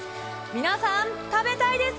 皆さん、食べたいですか。